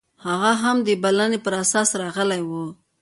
هغه هم د یوې بلنې پر اساس راغلی و